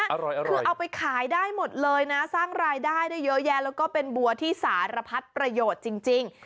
อร่อยคือเอาไปขายได้หมดเลยนะสร้างรายได้ได้เยอะแยะแล้วก็เป็นบัวที่สารพัดประโยชน์จริง